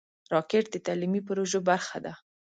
راکټ د تعلیمي پروژو برخه ده